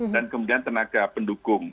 dan kemudian tenaga pendukung